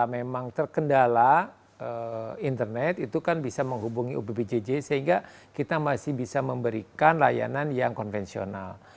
memang terkendala internet itu kan bisa menghubungi ubpjj sehingga kita masih bisa memberikan layanan yang konvensional